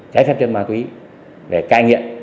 giải pháp chống ma túy để cai nghiện